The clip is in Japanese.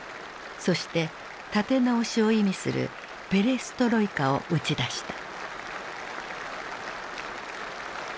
そして「立て直し」を意味するペレストロイカを打ち出した。